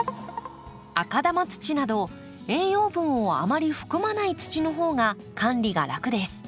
赤玉土など栄養分をあまり含まない土の方が管理が楽です。